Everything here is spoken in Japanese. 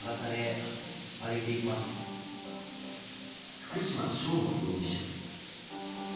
福島聖悟容疑者。